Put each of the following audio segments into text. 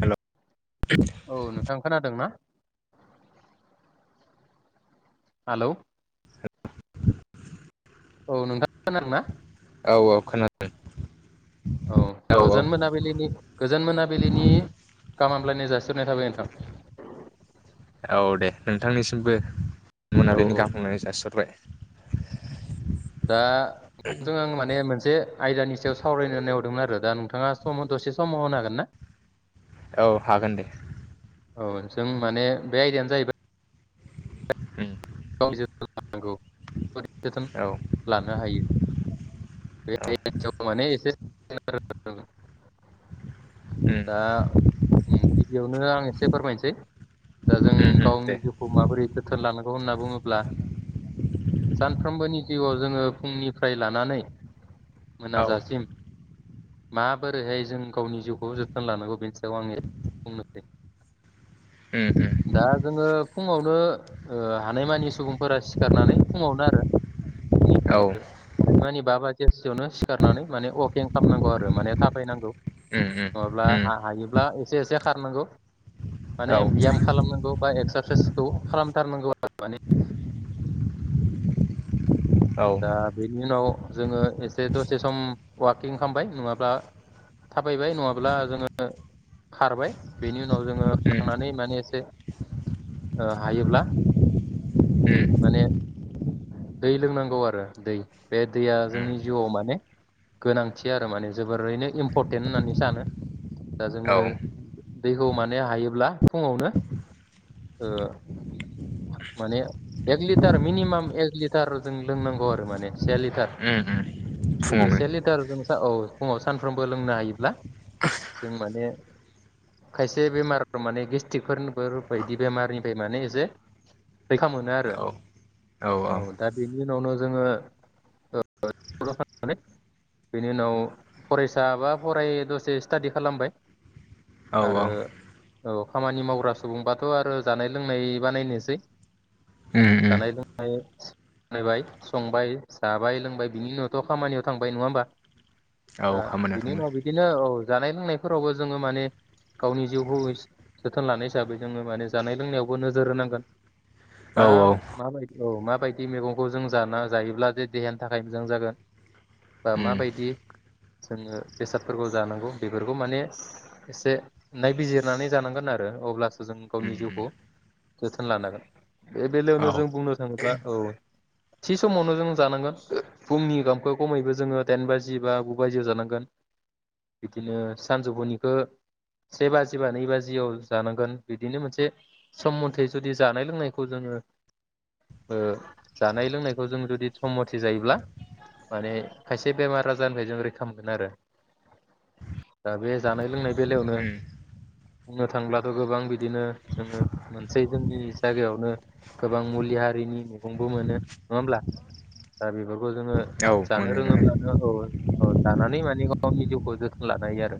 हेल' औ नोंथां खोनादों ना? हेल'। औ नोंथां खोनादों ना? औ औ खोनादों। औ औ गोजोन मोनाबिलिनि गोजोन मोनाबिलिनि गाहाम हामलायनाय जासिहरनाय थाबाय नोंथां। औ दे नोंथांनिसिमबो। औ मोनाबिलिनि औ गाहाम हामलायनाय जासिहरबाय। दा जों माने मोनसे आयदानि सायाव सावरायनो होननाया हरदोंमोन आरो। दा नोंथाङा सम दसे समाव होनागोन ना? औ हागोन दे। औ जों माने बे आयदायानो जाहैबाय उम गाव जोथोन लानो लानांगौ बोरै जोथोन औ लानो हायो? औ [unintelligible] [inaudible] उम दा उम गिबियावनो आं एसे फोरमायनोसै दा जों उम उम गावनि दे जिउखौ माबोरै जोथोन लानांगौ होना बुङोब्ला सानफ्रोमबोनि जिउआव जोङो फुंनिफ्राय लानानै औ मोनाजासिम माबोरैहाय जों गावनि जिउखौ जोथोन लानांगौ बेनि सायाव आङो बुंनोसै। उम उम दा जोङो फुङावनो ओ हानायमानि सुबुंफोरा सिखारनानै फुङावनो आरो औ निएर हानायमानि बा बाजि गेससियावनो सिखारनानै माने अवाकिं खालामनांगौ आरो माने थाबायनांगौ। उम उम नङाब्ला उम हा-हायोब्ला एसे एसे खारनांगौ। माने औ बियाम खालामनांगौ बा एक्सारसाइस। औ खालामथारनांगौ आरो माने। उम दा बिनि उनाव जोङो एसे दसे सम वाकिं खालामबाय नङाब्ला थाबायबाय नङाब्ला जोङो खारबाय बेनि उन औ जोङो उम खांनानै माने एसे। ओ हायोब्ला उम औ उम माने दै लोंनांग गौ आरो दै बे दैया जोंनि जिउआव माने गोनांथि आरो माने जोबोरैनो इम्पर्टेन होन्नानै सानो दा जोंयो दैखौ माने हायोब्ला फुंआवनो ओ माने एख लीटार मिनिमाम एख लीटर जोंनि लोंनागौ आरो माने से लिटार। जुदि फुङावनो से लिटार जोंसो औ फुङाव सानफ्रोमबो लोंनो हायोब्ला जों माने खायसे बेमार माने गेस्ट्रिकफोर-फोर बायदि बेमारनिफ्राय माने एसे रैखा मोनो आरो औ औ दा बि बिनि उनावनो जोङो ओ थरा फाननानै बिनि उनाव फरायसा बा फराय दसे सिदाडि खालामबाय औ आरो। औ औ खामानि मावग्रा सुबुंबाथ' आरो जानाय लोंनाय बानायनोसै उम उम जानाय लोंनाय नायबाय संबाय जाबाय लोंबाय बिनि उनावथ' खामानियाव थांबाय नङा होमबा? औ दा खामानियाव बिनि थांबाय उनाव बिदिनो औ। जानाय लोंनायफोरावबो जोङो माने गावनि जिउखौ एसे जोथोन लानाय हिसाबै जोङो माने जानाय लोंनायावबो नोजोर होनांगोन। मा औ औ उम माबोरै। औ मााबाय दि मैगंखौ जों जाना जायोब्ला जे देहानि थाखाय मोजां जागोन बा उम माबायदि जोङो बेसादफोरखौ जानांगौ बेफोरखौ माने एसे नायबिजिरनानै जानांगोन आरो अब्लासो जों गावनि जिउखौ उम जोथोन लानांगोन बे बेलायावनो औ जों बुंनो थाङोब्ला औ थि समावनो जों जानांगोन फुंनि ओंखामखौ खमैबो जोङो दाइन बाजि बा गु बाजियाव जानांगोन बिदिनो सानजौफुनिखौ से बाजि बा नै बाजियाव जानांगोन बिदिनो मोनसे सम मथे जुदि जानाय लोंनायखौ जोङो ओ जानाय लोंनायखौ जों जुदि सममुथे जायोब्ला माने खायसे बेमार आजारनिफ्राय जों रैखा मोनगोन आरो दा बे जानाय लोंनाय बेलायावनो उम बुंनो थांब्लाथ' गोबां बिदिनो जोङो मोनसे जोंनि जायगायावनो गोबां मुलि ह हारिनि मैगंबो मोनो नङा हब्ला दा बेबो जोङो औ जानो मोनो मोनो रोङोब्लानो औ औ लानानै माने गावनि जिउखौ जोथोन लानो हायो आरो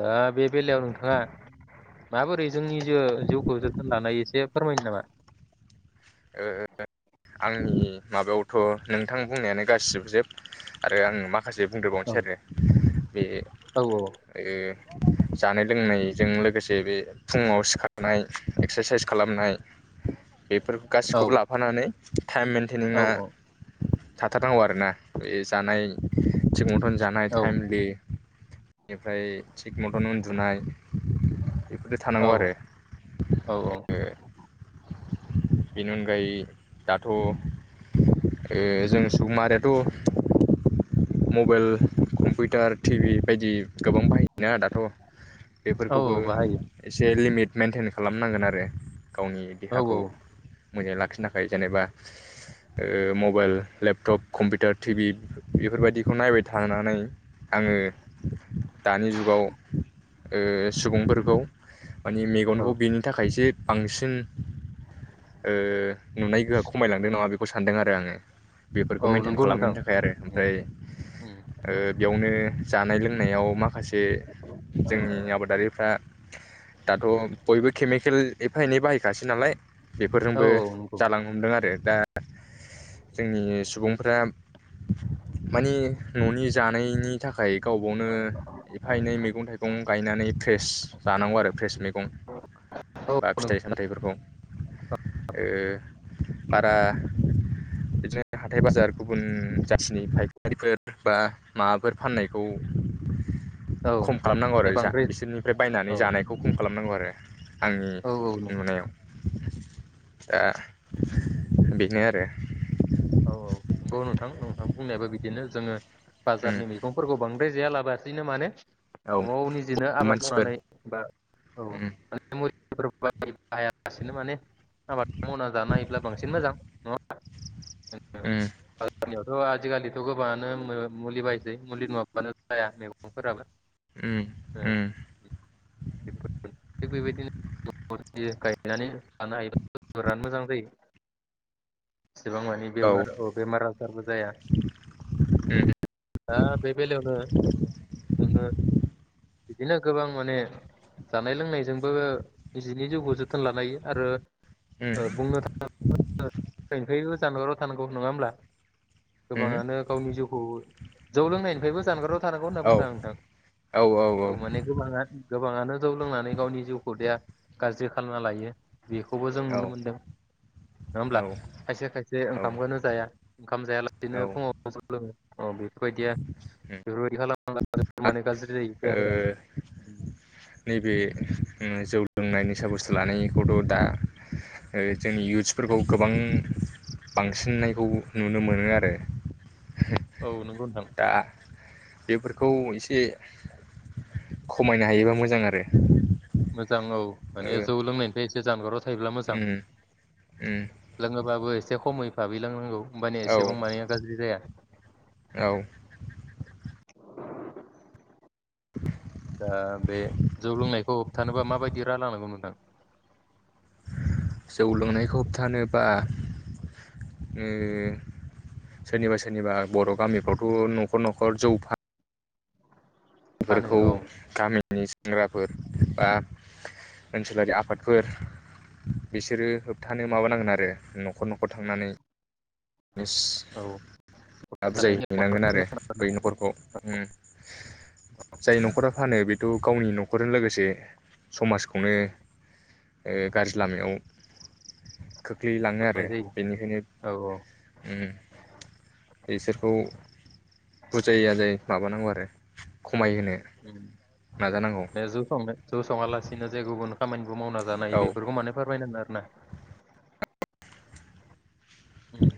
दा बे बेलायाव नोंथाङा माबोरै जोंनि जिउखौ जोथोन लानाय एसे फोरमायनो नामा ओ आंनि माबायावथ' नोंथां बुंनायानो गासिबो जोब आरो आङो मा माखासे औ बुंद्रोबावनोसै आरो बे औ ओ जानाय लोंनायजों लोगोसे बे फुङाव सिखारनाय एक्सारसाइस खालामनाय बेफोरखौ औ गासिखौबो लाफानानै [unintelligible] टाइम औ मेन्टेनआ थाथारनांगौ आरोना बे जानाय थिगमथन जानाय औ टाइमलि बेनिफ्राय थिग मथन उन्दुनाय बेफोरजों औ थानांगौ आरो औ बेनि अनगायै दाथ' ओह जों सुबुं माहारियाथ' मबाइल कम्पिउटार टिभि बायदि गोबां बाहायोना दाथ' औ बेफोरखौबो बाहायो एसे लिमिट मेेनटेन खालामनांगोन आरो गावनि औ देहाखौ औ मोजाङै लाखिनो थाखाय जेनेबा ओह मबाइल लेपटप कम्पिउटार टिभि बेफोरबायदिखौ नायबाय थानानै आङो दानि जुगाव ओह सुबुंफोरखौ माने औ मेगनखौ बेनि थाखायसो बांसिन ओह नुनाय गोहोआ खमायलांदों नङा बेखौ सानदों आरो आङो बेफोरखौ औ मेेनटेन नंगौ खालामनो नोंथां थाखाय आरो उम ओमफ्राय उम ओह बेयावनो जानाय लोंनायाव मा माखासे जोंनि आबादारिफ्रा दाथ' बयबो केमिकेल एफा एनै बाहायखासै नालाय औ बेफोरजोंबो औ नंगौ जालांनो हमदों आरो दा जोंनि सुबुंफ्रा माने न'नि जानायनि नि थाखाय गावबावनो एफा एनै मैगं थाइगं गायनानै फ्रेस जानांगौ आरो फ्रेस मैगं औ बा फिथाइ नंगौ सामथाइफोरखौ ओ बारा बिदिनो हाथाइ बाजार गुबुन जाथिनि फायखारिफोर बा माबाफोर फाननायखौ औ खम खालामनांगौ माने आरो जा बांद्राय बिसोरनिफ्राय बायनानै औ जानायखौ खम खालामनांगौ आरो बे आंनि औ नंगौ। नुनायाव दा बेनो आरो औ औ नंगौ नोंथां नोंथां बुंनायाबो बिदिनो जोङो उम बाजारनि मैगंफोरखौ बांद्राय जायालाब बासिनो माने औ न'आव निजेनो आबाद मानसिफोर मावनानै बा औ उम [unintelligible] [unintelligible] माने आबाद मावना जानो हायोब्ला बांसिन मोजां नङा ओमबा? ओ थ' आजिखालिथ' गोबाङानो मुलि बायसै मुलि नङाब्लानो जाया मैगंफोराबो उम ओ उम [unintelligible] हैनानै लानो हायोब बिराद मोजां जायो एसेबां बेमार औ बेमार आजारबो जाया उम दा बे बेलायावनो जोङो बिदिनो गोबां माने जानाय लोंनायजोंबो निजिनि जिउखौ जोथोन लानाय हायो आरो ओ उम बुंनो [unintelligible] [unintelligible] थानांगौ नङा ओमब्ला? उम गोबाङानो गावनि जिउ [unintelligible] जौ लोंनायनिफ्रायबो जानगाराव थानांगौ होनना औ बुंदों आं नोंथां औ माने गोबाङा गोबाङानो जौ लोंनानै गावनि जिउखौ देाया गाज्रि खालामना लायो बेखौबो जों औ नुनो मोनदों नङा होमब्ला औ खायसे खायसे औ ओंखामखौनो जाया ओंखाम जायालासेनो औ फुङाव जौ लोङो औ बेे बायदिया उम बेफोरबादि खालाम माने गाज्रि जायो आरो देहाफोरा नैबे ओं जौ लोंनाय निसा बुस्थु लानायखौथ' दा ओ जों इउथ्सफोरखौ गोबां बांसिननायखौ नुनो मोनो आरो औ नोंगौ होनदां। दा बेफोरखौ इसे खमायनो हायोबा मोज मोजां आरो मोजां औ ओ माने जौ लोंनायनिफाय एसे जानगाराव थायोब्ला मोजां उम उम लोङोबाबो एसे खमै बाबैलोंनांगौ ओमबानिे औ एसेबां मानिया गाज्रि जाया औ दा बे जौ लोंनायखौ होबथानोबा माबायदि राहा लानांगौ नोंथां जौ लोंनायखौ होबथानोबा सोरनिबा-सोरनिबा बर' गामिफ्रावथ' न'खर-न'खर जौ फा फानो फोरखौ औ गामि नि सेंग्राफोर बा ओनसोलारि आफादफोर बिसोरो होबथानो माबानांगोन आरो न'खर-न'खर थांनानै मिस औ थानायनि बुजायहैनांगोन आरो बै न'खरखौ जाय न'खरा फानो बेथ' गावनि न'खरजों लोगोसे समाजखौनो गाज्रि लामायाव खोख्लैलाङो आरो जायो बेनिखायनो औ औ बिसोरखौ बुजायै आजायै माबानांगौ आरो खमायहोनो नाजानांगौ ज' संङालासिनो जे गुबुन खामानि मावना जानाय औ बेफोरखौ माने फोरमायनांगोन आरो ना अम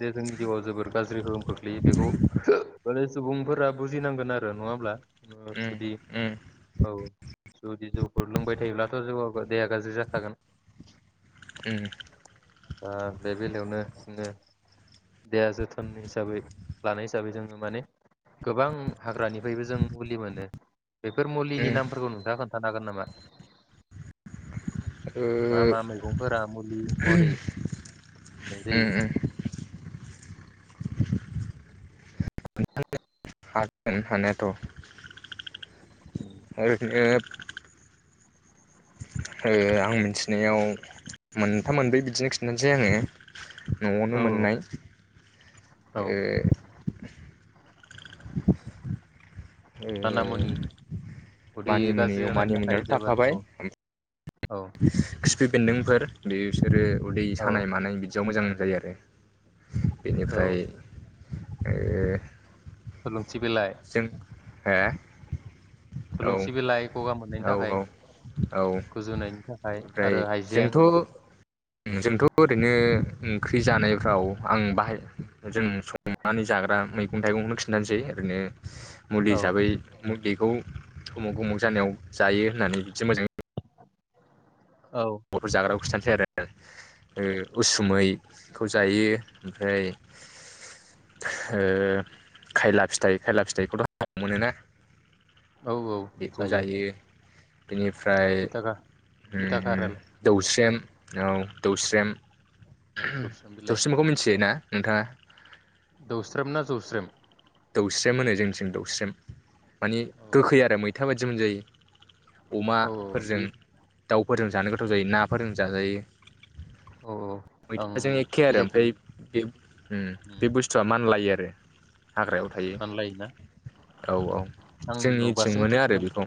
जे जोंनि जिउआ जोबोर गाज्रि गोहोम खोख्लैयो बेखौ माने सुबुंफोरा बुजिनांगोन आरो नंङा होमब्ला जोंङो उम जुदि उम औ जुदि जौफोर लोंबाय थायोब्लाथ' जों ओ देाया गाज्रि जाखागोन अम ओ बे बेलायावनो जोंङो देहा जोथोन हिसाबै लानाय हिसाबै जोंङो माने गोबां हाग्रानिफ्रायबो जों मुलि मोनो बेफोर मुलिनि उम नामफोरखौ नोंअंथांआ खोन थानो हागोन नामा। ओ मा मा मैगंफोरा मुलि मुरि अम अम हागोन हानायाथ' ओरैनो ओ आं मिथिनायाव मोनथाम मोनब्रै बिदिनो खिन्थानोसै आंङो औ न'आवनो मोननाय औ ओ ओ माना मुनि उदै मानि मुनि गाज्रि जानायनि मानि थाखाय मुनियाथ' जोबोर थाखाबाय औ औ खिफि बेन्दोंफोर बे बिसोरो उदै औ सानाय मानाय बिदि बियाव मोजां जायो आरो। औ बेनिफ्राय ओ हालौ। सि बेलाय जों हो? थुलुंसि बिलाइ गगा मोननायनि औ थाखाय औ गुजुनायनि थाखाय ओमफ्राय आरो हाइजें। जोंथ' जोंथ' ओरैनो ओंख्रि जानायफ्राव आं बाहाय जों संनानै जाग्रा मै मैगं-थाइगंखौ खिन्थानोसै ओरैनो मुलि औ हिसाबै मुलिखौ अमुख उमुख जानायाव जायो होननानै जों मोजाङै औ बर' जाग्राखौ खिथानोस सै आरो उसुमैखौ जायो ओमफ्राय ओ खायला फिथाइ खायला फिथाइखौथ' मोनोना। औ औ जायो। बेनिफ्राय थिथा खा थिथा उम खारेल उम। स्रेम औ दौस्रम। ओहोम जौस्रोम बिलाइ दौस्रेमखौ मिथियोना? नोंथांङा? दौस्रेम ना जौस्रेम? दौस्रेम होनो जोंनिथिं दौस्रेम। मानि औ गोखै आरो मैथा बाद जोम मोनजायो। औ औ अमाफोरजों। बे दाउफोरजों जानो गोथाव जायो नाफोरजों जाजायो। औ आं मैथाजों एखे आरो बिलाइखौ ओमफ्राय बे बे बुस्थुआ मानलायो आरो। हाग्रायाव थायो औ औ मानलायोनाज्ञ [inaudible] आं जोंनिथिं नुबासो मोनो आरो मिथिसिगोन औ बेखौ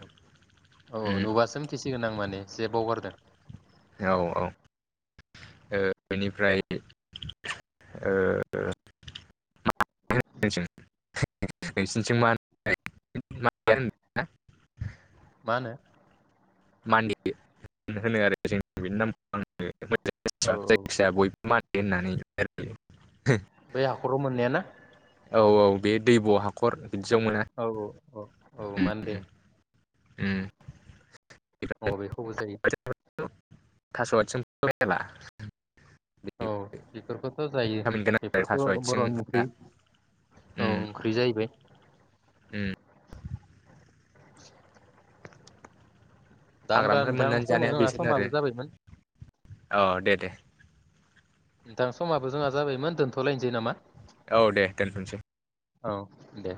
औ उम नुबासो मिथिसिगोन आं माने जे बावगारदों। औ औ ओ बेनिफ्रायनो ओ [unintelligible] मा होनो? मानदे होनो आरो जों बेनि नामखौ आङो। मोजां औ मोनथिया जायखिाया बयबो माने होननानै [unintelligible] बै हाखराव मोननाया ना? औ औ बे दैब' हाखर बिदियाव मोना औ औ औ औ मानदे। ओम अ बेखौबो जायो थास'आयथिं [unintelligible] औ बेफोरखौथ' जायो गोनां आरो थास' बेफोरथ' बर'नि आथिंफ्रा ओंख्रि औ ओंख्रि जाहैबाय। ओम [inaudible] दा होमबा हाग्रानिफ्राय नोंथां मोननानै जानाया समाजाबाय बेसोरनो आरो समाबो जाबायमोन। औ दे दे। नोंथां समाबो जोंहा जाबायमोन दोनथ'लायनोसै नामा? औ दे दोनथ'सै। औ दे